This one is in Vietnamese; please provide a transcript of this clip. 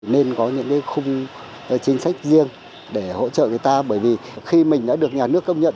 nên có những cái khung chính sách riêng để hỗ trợ người ta bởi vì khi mình đã được nhà nước công nhận